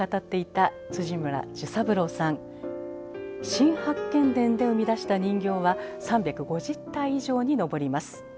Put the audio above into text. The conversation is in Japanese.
「新八犬伝」で生み出した人形は３５０体以上に上ります。